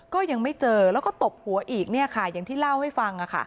ก็ยังไม่เจอแล้วก็ตบหัวอีกอย่างที่เล่าให้ฟัง